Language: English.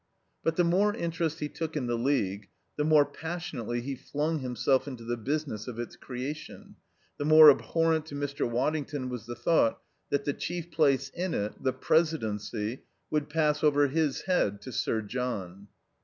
But the more interest he took in the League, the more passionately he flung himself into the business of its creation, the more abhorrent to Mr. Waddington was the thought that the chief place in it, the presidency, would pass over his head to Sir John.